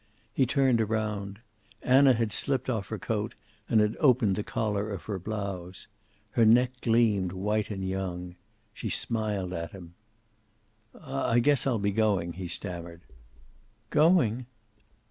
He turned around. Anna had slipped off her coat, and had opened the collar of her blouse. Her neck gleamed white and young. She smiled at him. "I guess I'll be going," he stammered. "Going!"